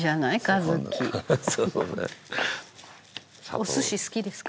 お寿司好きですか？